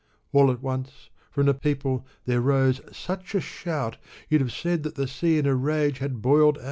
All at once, from the people, there rose such a shout. You'd have said that the sea in a rage had boiled out.